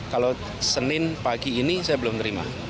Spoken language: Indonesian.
kalau senin pagi ini saya belum terima